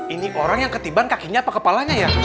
ini orang yang ketiban kakinya apa kepalanya ya